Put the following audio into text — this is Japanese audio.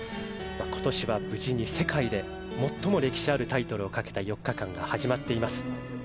今年は無事に世界で最も歴史のあるタイトルをかけた４日間が始まっています。